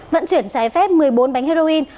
vẫn chuyển trái phép một mươi bốn bánh heroin